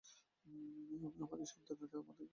আমাদের সন্তানেরা তাদের গোলামে পরিণত হবে।